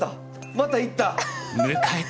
また行った！